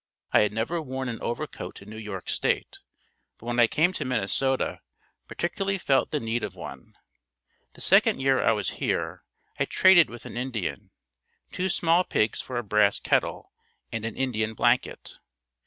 I had never worn an overcoat in New York state, but when I came to Minnesota particularly felt the need of one. The second year I was here, I traded with an Indian, two small pigs for a brass kettle and an Indian blanket.